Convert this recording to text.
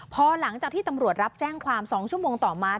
พอหลังจากที่ตำรวจรับแจ้งความ๒ชั่วโมงต่อมา